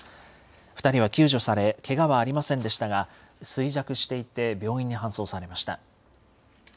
２人は救助され、けがはありませんでしたが、衰弱していて病院に搬送されました。